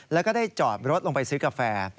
แล้วก็ได้จอดรถลงไปซื้อกาแฟ